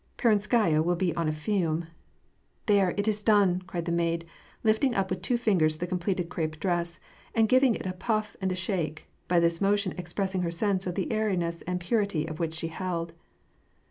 Peronskaya will be in a fume." " There ! it is done !" cried the maid, lifting up with two fingers the completed crepe dress, and giving it a puff and a shake, by this motion expressing her sense of the airiness and purity of what she held.